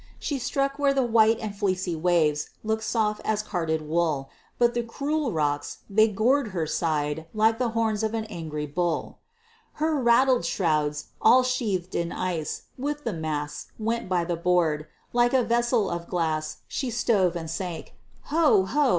She struck where the white and fleecy waves Looked soft as carded wool, But the cruel rocks, they gored her side Like the horns of an angry bull. Her rattling shrouds, all sheathed in ice, With the masts, went by the board; Like a vessel of glass, she stove and sank, Ho! ho!